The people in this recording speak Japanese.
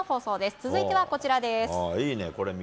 続いてはこちらです。